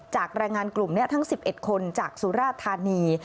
แรงงานกลุ่มนี้ทั้ง๑๑คนจากสุราธานี